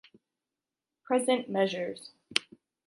Present measures